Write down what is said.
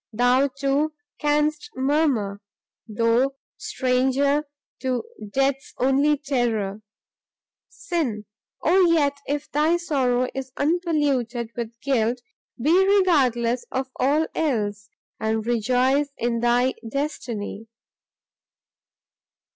thou, too, canst murmur, though stranger to death's only terror, Sin! Oh yet if thy sorrow is unpolluted with guilt, be regardless of all else, and rejoice in thy destiny!"